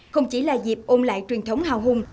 không chỉ là dịp ôn lại truyền thống hào hùng